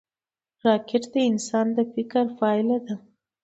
راکټ د انسان د فکر پایله ده